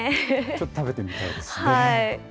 ちょっと食べてみたいですね。